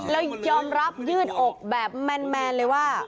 แล้วยอมรับยืดอกแบบแมนเลยว่า